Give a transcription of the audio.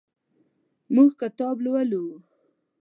موږ کتاب لولو.